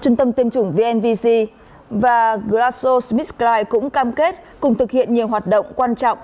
trung tâm tiêm chủng vnvc và grasso smithkline cũng cam kết cùng thực hiện nhiều hoạt động quan trọng